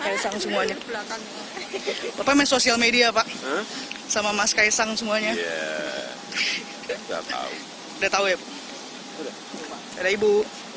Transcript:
kaesang semuanya bapak main sosial media pak sama mas kaesang semuanya udah tahu ya ada ibu